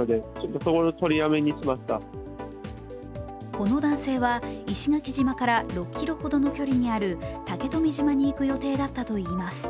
この男性は石垣島から６ｋｍほどの距離にある竹富島に行く予定だったといいます。